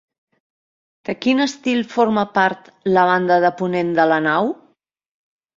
De quin estil forma part la banda de ponent de la nau?